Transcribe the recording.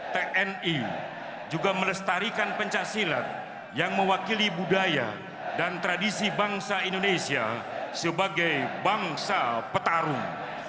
tni juga melestarikan pencaksilat yang mewakili budaya dan tradisi bangsa indonesia sebagai bangsa petarung